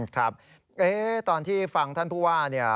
ครับตอนที่ฟังท่านผู้ว่าเนี่ย